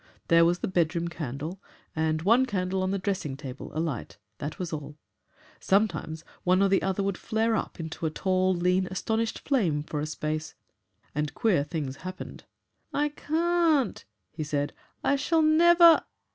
There was the bedroom candle, and one candle on the dressing table alight, that was all sometimes one or other would flare up into a tall, lean, astonished flame for a space. And queer things happened. 'I can't,' he said; 'I shall never